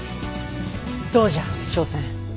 どうじゃ笙船。